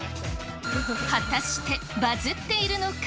果たして、バズっているのか？